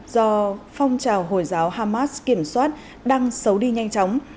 do phong trào hồi giáo hamas kiểm soát đang xấu đi nhanh chóng